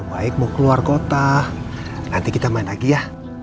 baik mau keluar kota nanti kita main lagi ya